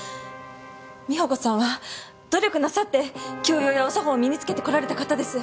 美保子さんは努力なさって教養やお作法を身に付けてこられた方です。